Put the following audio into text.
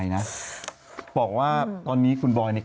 นั่นไง